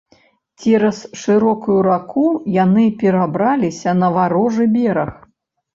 Цераз шырокую раку яны перабраліся на варожы бераг.